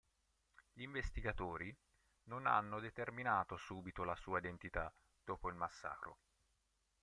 Gli investigatori non hanno determinato subito la sua identità dopo il massacro.